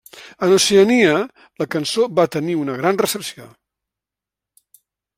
En Oceania, la cançó va tenir una gran recepció.